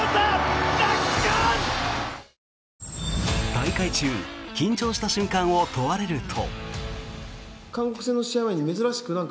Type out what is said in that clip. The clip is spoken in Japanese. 大会中緊張した瞬間を問われると。